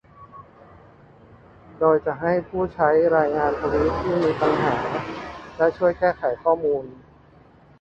โดยจะให้ผู้ใช้รายงานทวีตที่อาจมีปัญหาและช่วยแก้ไขข้อมูล